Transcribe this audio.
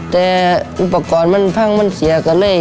แต่อุปกรณ์มันพังมันเสียก็เลย